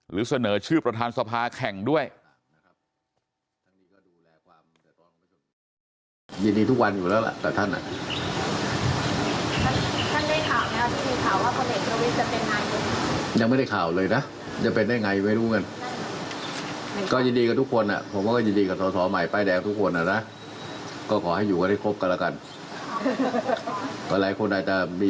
หรือเสนอชื่อประธานสภาแข่งด้วย